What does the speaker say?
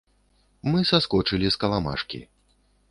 Мы саскочылі з каламажкі.